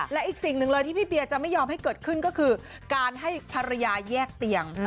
และอีกสิ่งหนึ่งเลยที่พี่เบียร์จะไม่ยอมให้เกิดขึ้นก็คือการให้ภรรยาแยกเตียง